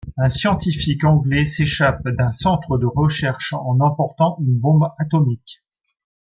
Un scientifique anglais s'échappe d'un centre de recherche en emportant une bombe atomique.